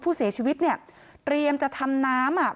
ภูเสชวิตเนี่ยเตรียมจะทำน้ำ